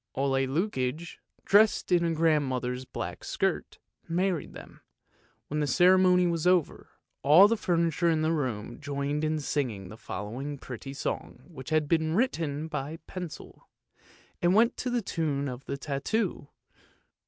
Ole Lukoie, dressed in grand mother's black skirt, married them; when the ceremony was over, all the furniture in the room joined in singing the following pretty song which had been written by the pencil; it went to the tune of the tattoo.